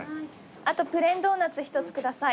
あとプレーンドーナツ１つ下さい。